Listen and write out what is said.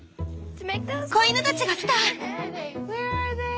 子犬たちが来た！